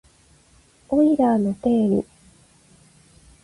オイラーの定理